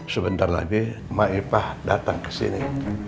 sebentar lagi maipah datang ke sini